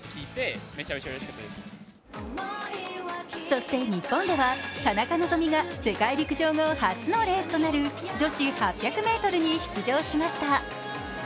そして日本では、田中希実が世界陸上後、初のレースとなる女子８００ｍに出場しました。